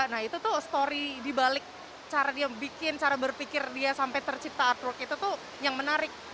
nah itu tuh story dibalik cara dia bikin cara berpikir dia sampai tercipta artwork itu tuh yang menarik